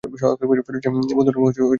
ফিরোজের বন্ধুর নাম আজমল চৌধুরী।